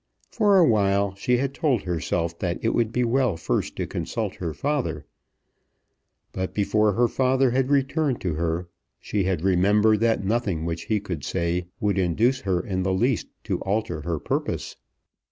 For a while she had told herself that it would be well first to consult her father; but before her father had returned to her she had remembered that nothing which he could say would induce her in the least to alter her purpose.